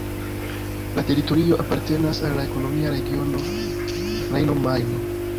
La teritorio apartenas al la ekonomia regiono Rejno-Majno.